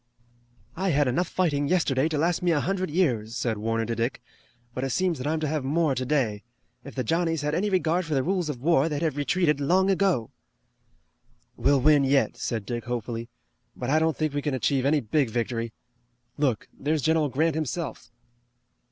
"I had enough fighting yesterday to last me a hundred years," said Warner to Dick, "but it seems that I'm to have more today. If the Johnnies had any regard for the rules of war they'd have retreated long ago." "We'll win yet," said Dick hopefully, "but I don't think we can achieve any big victory. Look, there's General Grant himself."